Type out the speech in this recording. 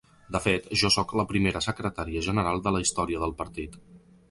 De fet, jo sóc la primera secretària general de la història del partit.